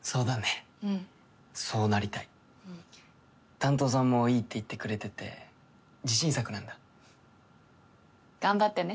担当さんもいいって言ってくれてて自信作なんだ。頑張ってね。